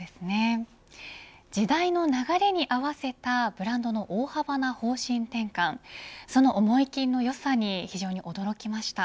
時代の流れに合わせたブランドの大幅な方針転換その思い切りの良さに非常に驚きました。